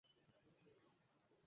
কেন ঠাকুর-দেবতার পট বুঝি ভালো হল না?